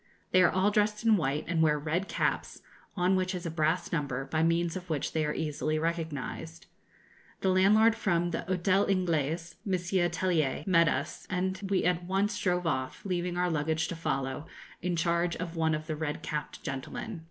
They are all dressed in white, and wear red caps, on which is a brass number, by means of which they are easily recognised. The landlord from the Hotel Ingles, M. Tellier, met us, and we at once drove off, leaving our luggage to follow, in charge of one of the red capped gentlemen.